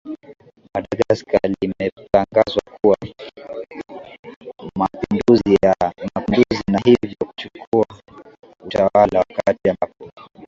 madagascar limetangaza kufanya mapinduzi na hivyo kuchukuwa utawala wakati ambapo